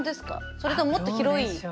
それとももっと広い。